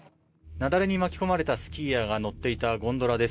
雪崩に巻き込まれたスキーヤーが乗っていたゴンドラです。